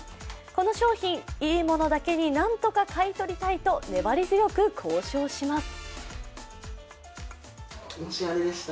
この商品、いいものだけになんとか買い取りたいと粘り強く交渉します。